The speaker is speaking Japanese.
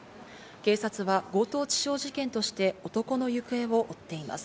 警察は強盗致傷事件として男の行方を追っています。